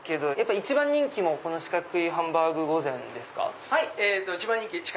一番人気四角いハンバーグ御膳です。